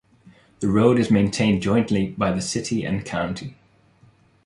The road is maintained jointly by the city and county.